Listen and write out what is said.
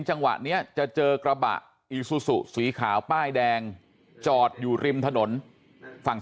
จังหวะนี้จะเจอกระบะอีซูซูสีขาวป้ายแดงจอดอยู่ริมถนนฝั่ง